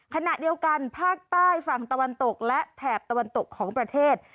ขณะเดียวกันภาคใต้ฝั่งตะวันตกและแถบตะวันตกของประเทศ